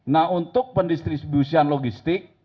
nah untuk pendistribusian logistik